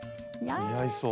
似合いそう。